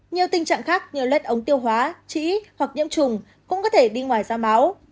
nhiều tình trạng khác như lết ống tiêu hóa trĩ hoặc nhiễm trùng cũng có thể đi ngoài ra máu